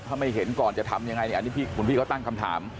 ถ้าไม่เห็นก่อนจะทำยังไงอันนี้พี่คุณพี่เขาตั้งคำถาม